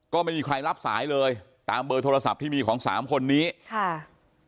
ก็ไม่มีใครรับสายเลยตามเบอร์โทรศัพท์ที่มีของสามคนนี้ค่ะ